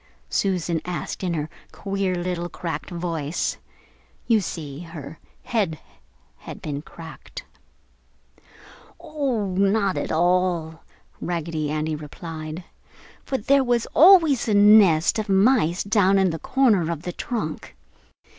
Susan asked in her queer little cracked voice. You see, her head had been cracked. "Oh, not at all," Raggedy Andy replied, "for there was always a nest of mice down in the corner of the trunk.